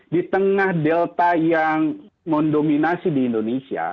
di tengah delta yang mendominasi di indonesia